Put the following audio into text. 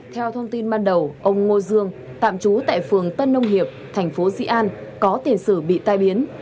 theo thông tin ban đầu ông ngô dương tạm trú tại phường tân nông hiệp thành phố dị an có tiền sử bị tai biến